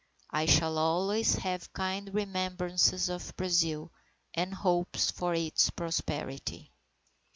I shall always have kind remembrances of Brazil and hopes for its prosperity."